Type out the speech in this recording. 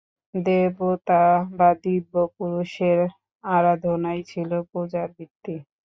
দেবতা বা দিব্যপুরুষের আরাধনাই ছিল পূজার ভিত্তি।